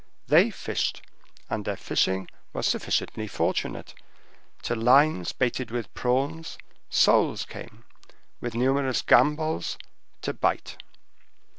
They fished, and their fishing was sufficiently fortunate. To lines bated with prawn, soles came, with numerous gambols, to bite.